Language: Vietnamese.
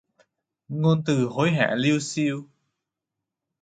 Ngôn từ hối hả liêu xiêu